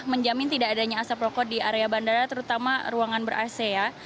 menjamin tidak adanya asap rokok di area bandara terutama ruangan ber ac ya